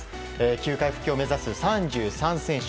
球界復帰を目指す３３選手。